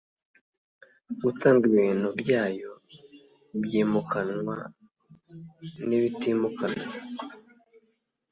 gutanga ibintu byayo byimukanwa n ibitimukanwa